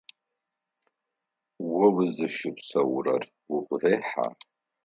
О узыщыпсэурэр угу рехьа?